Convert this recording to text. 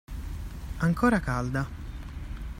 Ancora calda;